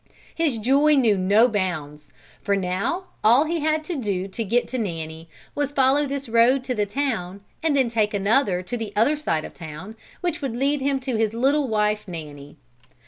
His joy knew no bounds for now all he had to do to get to Nanny was to follow this road to the town and then take another to the other side of town which would lead him to his little wife Nanny.